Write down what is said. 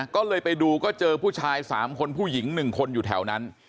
ก็เลยไปดูก็เจอผู้ชาย๓คนผู้หญิง๑คนอยู่แถวนั้น